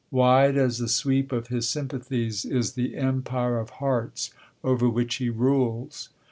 Wide as the sweep of his sympathies is the empire of hearts over which he rules.